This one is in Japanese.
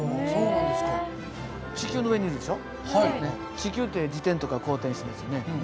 地球って自転とか公転していますよね。